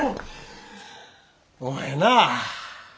お前な